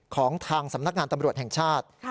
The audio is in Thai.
ของทางสำนักงานตำรวจแห่งชาติ